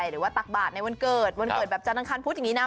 หรือว่าตักบาทในวันเกิดวันเกิดแบบจันทร์คันพุธอย่างนี้นะ